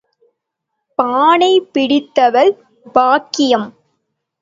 பானை பிடித்தவள் பாக்கியம்.